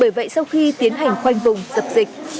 bởi vậy sau khi tiến hành khoanh vùng dập dịch